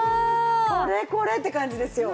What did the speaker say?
これこれ！って感じですよ。